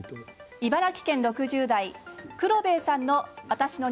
茨城県６０代。